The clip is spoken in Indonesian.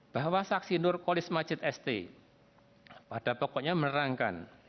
bahwa saksi nur kolis majid st pada pokoknya menerangkan